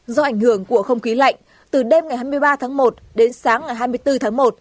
do ảnh hưởng của không khí lạnh từ đêm ngày hai mươi ba tháng một đến sáng ngày hai mươi bốn tháng một